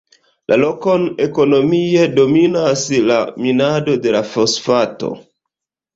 La lokon ekonomie dominas la minado de la fosfato.